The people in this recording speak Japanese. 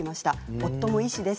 夫も医師です。